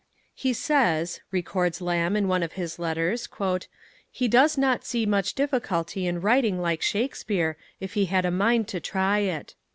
"He says," records Lamb in one of his letters, "he does not see much difficulty in writing like Shakespeare, if he had a mind to try it."